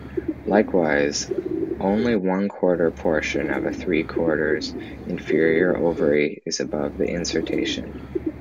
Likewise, only one quarter portion of a "three-quarters inferior ovary" is above the insertion.